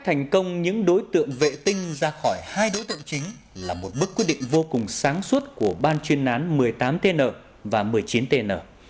thành công những đối tượng vệ tinh ra khỏi hai đối tượng chính là một mức quyết định vô cùng sáng suốt của ban chuyên nán một mươi tám tn và một mươi chín tn